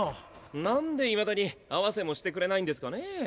何で未だに会わせもしてくれないんですかね。